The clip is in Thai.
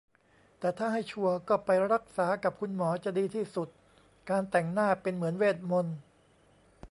แต่ถ้าให้ชัวร์ก็ไปรักษากับคุณหมอจะดีที่สุด การแต่งหน้าเป็นเหมือนเวทมนตร์